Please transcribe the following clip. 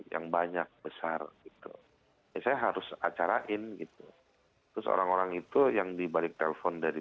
yang banyak besar gitu saya harus acarain gitu terus orang orang itu yang dibalik telepon dari